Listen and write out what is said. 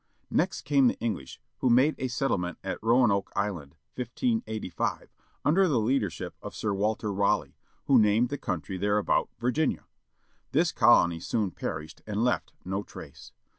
Next came the English, who made a settlement at Roanoke Island, 1585, imder the leadership of Sir Walter Raleigh, who named the coimtry thereabout Virginia. This colony soon perished, and left no trace.